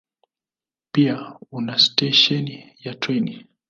Pia una stesheni ya treni.